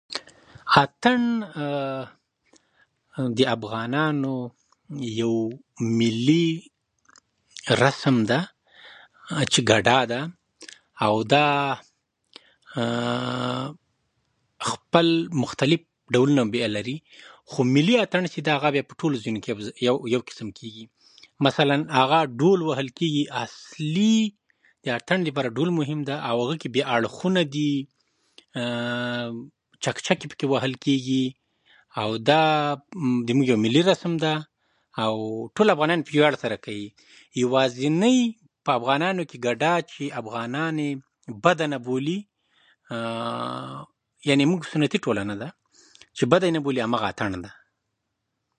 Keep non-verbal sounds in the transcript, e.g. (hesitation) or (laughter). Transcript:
اتڼ (hesitation) د افغانانو یو ملي رسم ده چې ګډا ده، او دا (hesitation) خپل مختلف ډولونه بیا لري. خو ملي اتڼ چې ده، هغه په ټولو ځایونو کې یو قسم کېږي. مثلاً هلته ډول وهل کېږي، او اصلي د اتڼ لپاره ډول مهم ده. او هغه کې بیا اړخونه دي، چکچکې پکې وهل کېږي، او زموږ یو ملي رسم ده، او ټول افغانان یې په ویاړ سره کوي. یوازینی به افغانانو کې ګډا چې ده، افغانان یې بده نه بولي. (hesitation) یعنې زموږ سنتي ټولنه ده چې بده یې نه بولي، هماغه اتڼ ده.